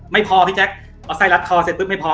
ไม่พอพี่แจ๊คเอาไส้รัดคอเสร็จปุ๊บไม่พอ